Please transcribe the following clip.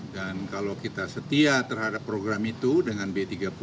dan kalau kita setia terhadap program itu dengan b tiga puluh